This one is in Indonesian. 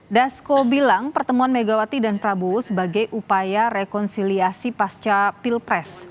dasko bilang pertemuan megawati dan prabowo sebagai upaya rekonsiliasi pasca pilpres